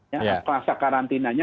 ya kelas karantinanya